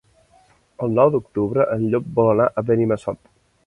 El nou d'octubre en Llop vol anar a Benimassot.